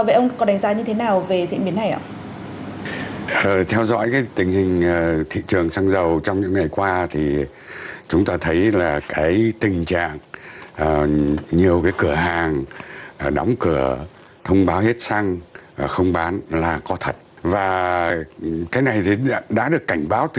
vậy ông có đánh giá như thế nào về diễn biến này ạ